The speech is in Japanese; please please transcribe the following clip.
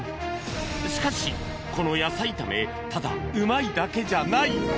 しかし、この野菜炒めただうまいだけじゃない！